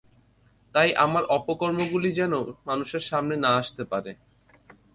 তাই আমার অপকর্ম গুলি যেনো মানুষের সামনে না আসতে পারে।